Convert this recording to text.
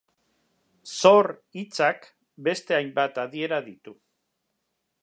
Zor hitzak beste hainbat adiera ditu.